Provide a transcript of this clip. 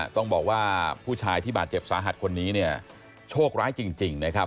ต้องบอกว่าผู้ชายที่บาดเจ็บสาหัสคนนี้เนี่ยโชคร้ายจริงนะครับ